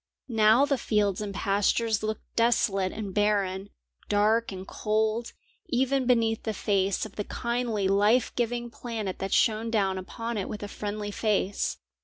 Now the fields and pastures looked desolate and barren, dark and cold, even beneath the face of the kindly life giving planet that shone down upon it with a friendly face.